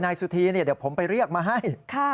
สุธีเดี๋ยวผมไปเรียกมาให้